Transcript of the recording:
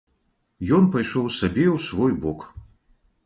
Ён пайшоў сабе ў свой бок.